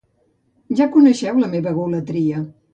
Ja coneixeu la meva egolatria.